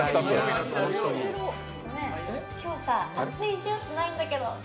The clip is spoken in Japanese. ごめん、今日さあついジュースないんだけど。